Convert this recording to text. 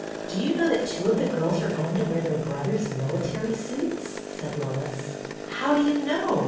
" Do you know that two of the girls are going to wear their brothers' military suits.'* " said Lois. "How do you know?